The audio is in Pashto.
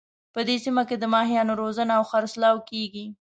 په دې سیمه کې د ماهیانو روزنه او خرڅلاو کیږي